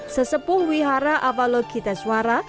sesepuh wihara avalokiteswara